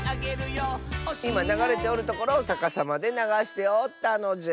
いまながれておるところをさかさまでながしておったのじゃ。